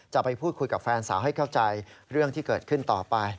จะไปพูดคุยกับแฟนสาวให้เข้าใจเรื่องที่เกิดขึ้นต่อไป